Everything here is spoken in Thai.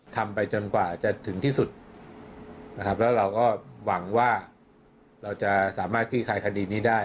ทำไปจนกว่าจะถึงที่สุดนะครับแล้วเราก็หวังว่าเราจะสามารถคลี่คลายคดีนี้ได้